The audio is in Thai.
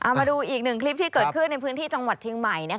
มาดูอีกหนึ่งคลิปที่เกิดขึ้นในพื้นที่จังหวัดเชียงใหม่